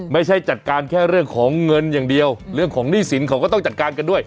ไม่ใช่จัดการแค่เรื่องของเงินอย่างเดียวเรื่องของหนี้สินเขาก็ต้องจัดการกันด้วย